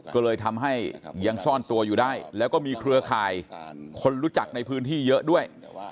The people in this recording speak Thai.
ก็เลยทำให้ยังซ่อนตัวอยู่ได้แล้วก็มีเครือข่ายคนรู้จักในพื้นที่เยอะด้วย